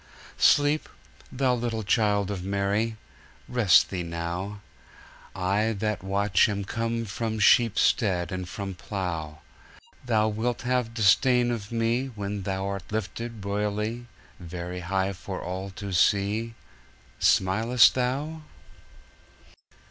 Sleep, Thou little Child of Mary; Rest Thee now.I that watch am come from sheep stead And from plough. Thou wilt have disdain of meWhen Thou'rt lifted, royally, Very high for all to see: Smilest Thou?